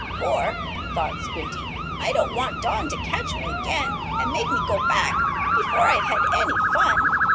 "For," thought Squinty, "I don't want Don to catch me again, and make me go back, before I have had any fun.